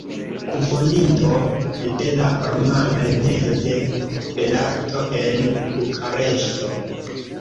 Kunfondinto de la rumana Lernejo de belarto en Bukareŝto.